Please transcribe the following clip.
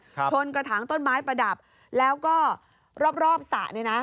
ชนกระถางต้นไม้ประดับแล้วก็รอบรอบสระเนี่ยนะ